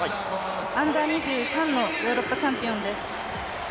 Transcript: Ｕ−２３のヨーロッパチャンピオンです。